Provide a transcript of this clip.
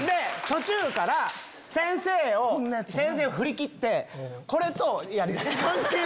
途中から先生を振り切ってこれとやりだして。